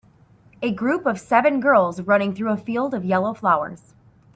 A group of seven girls running through a field of yellow flowers.